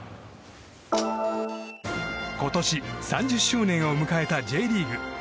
今年、３０周年を迎えたＪリーグ。